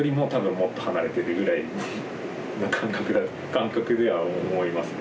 感覚では思いますね。